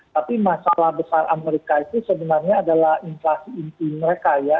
tapi masalah besar amerika itu sebenarnya adalah inflasi inti mereka ya